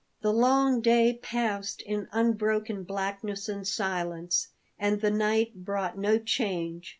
The long day passed in unbroken blackness and silence, and the night brought no change.